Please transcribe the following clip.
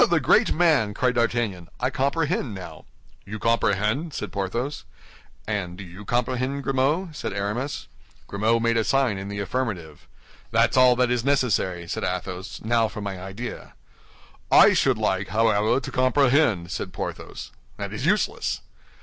"Oh, the great man!" cried D'Artagnan. "I comprehend now." "You comprehend?" said Porthos. "And do you comprehend, Grimaud?" said Aramis. Grimaud made a sign in the affirmative. "That's all that is necessary," said Athos; "now for my idea." "I should like, however, to comprehend," said Porthos. "That is useless."